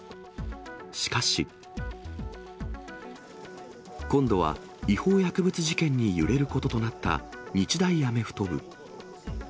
しかし。今度は違法薬物事件に揺れることとなった日大アメフト部。